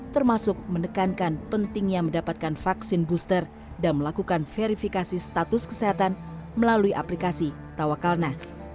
termasuk menekankan pentingnya mendapatkan vaksin booster dan melakukan verifikasi status kesehatan melalui aplikasi tawakalna